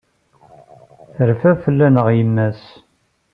Terfa fell-aneɣ yemma-s.